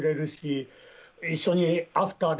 一緒にアフターで。